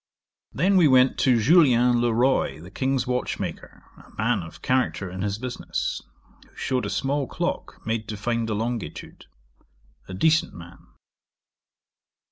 'Then we went to Julien Le Roy, the King's watch maker, a man of character in his business, who shewed a small clock made to find the longitude. A decent man.